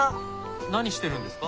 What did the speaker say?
何してるんですか？